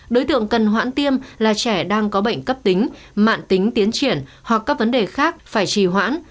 đối tượng cần hoãn tiêm là trẻ đang có bệnh cấp tính mạng tính tiến triển hoặc các vấn đề khác phải trì hoãn